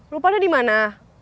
lo pada di mana